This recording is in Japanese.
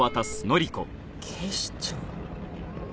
警視庁。